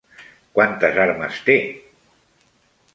Quantes armes té?